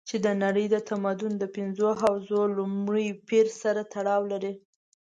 چې د نړۍ د تمدن د پنځو حوزو له لومړي پېر سره تړاو لري.